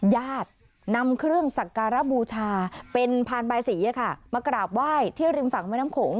ญาตินำเครื่องสักการบูชาเป็นพานบายสีมากราบไหว้ที่ริมฝั่งแม่น้ำโขง